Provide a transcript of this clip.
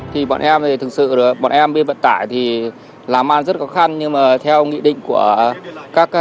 thì bọn em thì thực sự bọn em bên vận tải thì làm ăn rất khó khăn nhưng mà theo nghị định của các